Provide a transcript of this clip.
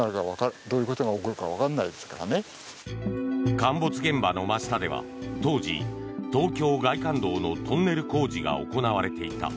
陥没現場の真下では当時東京外環道のトンネル工事が行われていた。